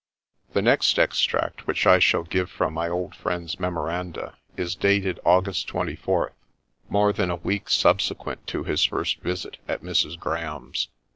The next extract which I shall give from my old friend's memoranda is dated August 24th, more than a week subsequent to his first visit at Mrs. Graham's.